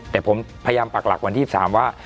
แต่ผมพยายามปักหลักวันที่๒๓ว่า